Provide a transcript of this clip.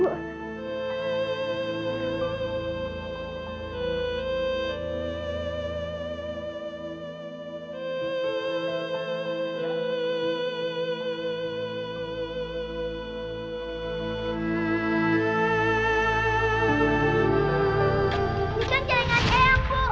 bukan jaringan eang bu